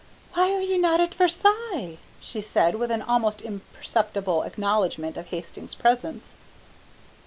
"Why are you not at Versailles?" she said, with an almost imperceptible acknowledgment of Hastings' presence.